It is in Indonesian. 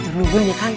ancur dugun ya kang